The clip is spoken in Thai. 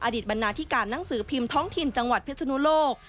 อดีตบรรณาธิการหนังสือพิมพ์ท้องถิ่นจังหวัดพิศนุโลก